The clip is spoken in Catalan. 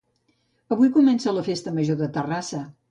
Avui comença la festa major de Terrassa